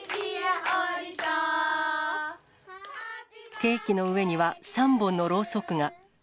ケーキの上には３本のろうそくが。